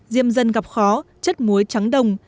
diêm dân gặp khó chất muối trắng đồng